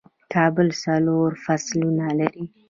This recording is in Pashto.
کال څلور فصلونه لري